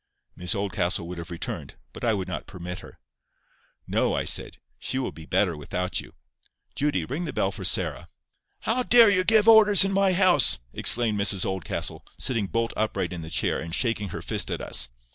Miss Oldcastle would have returned, but I would not permit her. "No," I said; "she will be better without you. Judy, ring the bell for Sarah." "How dare you give orders in my house?" exclaimed Mrs Oldcastle, sitting bolt upright in the chair, and shaking her fist at us.